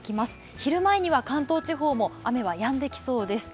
昼前には関東地方も雨はやんできそうです。